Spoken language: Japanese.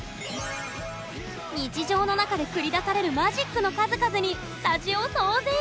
日常の中で繰り出されるマジックの数々にスタジオ騒然！